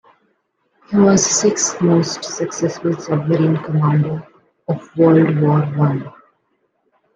He was the sixth most successful submarine commander of World War One.